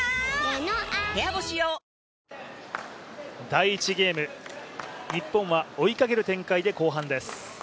第１ゲーム日本は追いかける展開で後半です。